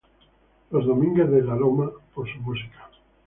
Los "Domínguez de La Loma" por su música.